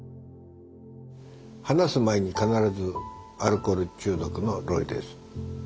話す前に必ず「アルコール中毒のロイです」。